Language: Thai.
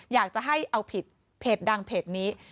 อยากจะให้เอาผิดเพจดังเพจนี้